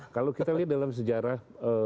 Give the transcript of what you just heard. kalau kita lihat dalam sejarah